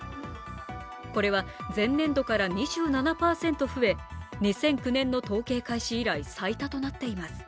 これは前年度から２７％増え２００９年の統計開始以来、最多となっています。